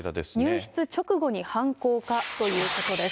入室直後に犯行かということです。